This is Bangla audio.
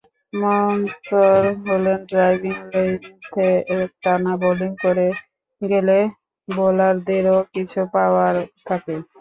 মন্থর বলে ড্রাইভিং লেংথে টানা বোলিং করে গেলে বোলারদেরও কিছু পাওয়ার থাকে।